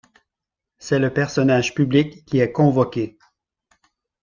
C'est le personnage public qui est convoqué.